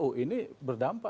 oh ini berdampak